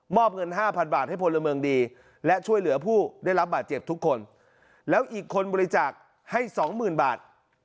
มอบเงิน๕๐๐๐บาทให้พลเมิงดีและช่วยเหลือผู้ได้รับบาทเจ็บทุกคนแล้วอีกคนบริจาคให้๒๐๐๐๐บาท